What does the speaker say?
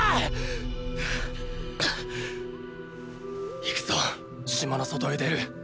行くぞ島の外へ出る。